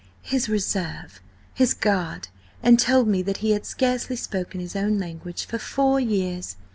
–his reserve–his guard–and told me that he had scarcely spoken his own language for four years.